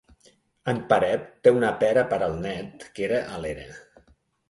En Peret té una pera per al net que era a l'era.